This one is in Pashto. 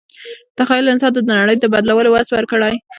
تخیل انسان ته د نړۍ د بدلولو وس ورکړی.